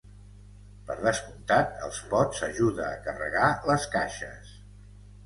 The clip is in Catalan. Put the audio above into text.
Per descomptat, els pots ajudar a carregar les caixes.